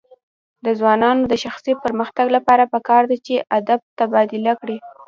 د ځوانانو د شخصي پرمختګ لپاره پکار ده چې ادب تبادله کړي.